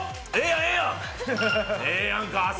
ええやんか、朝。